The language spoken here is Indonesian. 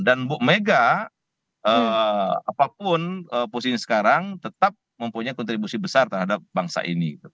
dan ibu mega apapun posisi sekarang tetap mempunyai kontribusi besar terhadap bangsa ini